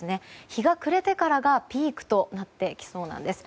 日が暮れてからがピークとなってきそうなんです。